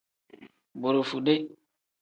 Borofude.